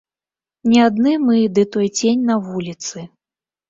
Не адны мы ды той цень на вуліцы.